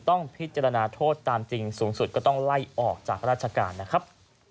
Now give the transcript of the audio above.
ต้องพิจารณาโทษตามจริงสูงสุดก็ต้องไล่ออกจากราชการนะครับ